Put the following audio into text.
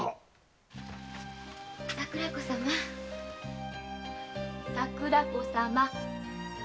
桜子様桜子様。